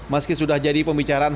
masih sudah jadi pembicaraan